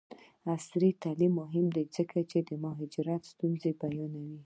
عصري تعلیم مهم دی ځکه چې د مهاجرت ستونزې بیانوي.